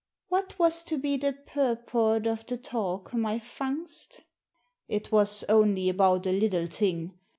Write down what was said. "What was to be the purport of the talk, my Fungst?" " It was only about a little thing.